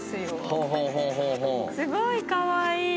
すごいかわいい。